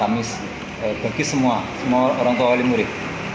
itu rincian sudah kami bagi semua orang tua murid